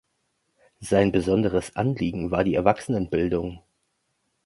Sein besonderes Anliegen war die Erwachsenenbildung.